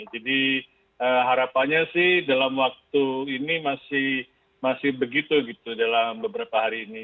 jadi harapannya sih dalam waktu ini masih begitu dalam beberapa hari ini